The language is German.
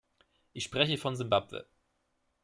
Ich spreche von Simbabwe.